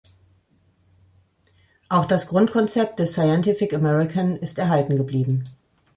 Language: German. Auch das Grundkonzept des "Scientific American" ist erhalten geblieben.